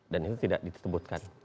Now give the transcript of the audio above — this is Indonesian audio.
dan itu tidak ditebutkan